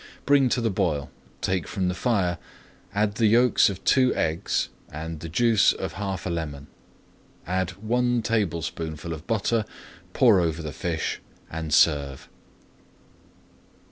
Bring to the boil, take from the fire, add the yolks of two eggs and the juice of half a lemon. Add one tablespoonful of butter, pour over the fish, and serve.